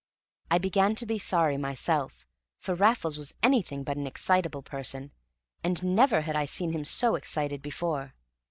I began to be sorry myself, for Raffles was anything but an excitable person, and never had I seen him so excited before.